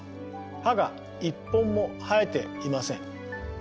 歯が一本も生えていません。